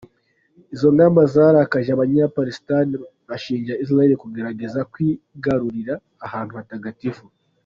Izo ngamba zarakaje Abanyapalestina, bashinja Israheli kugerageza kwigarurira ahantu hatagatifu.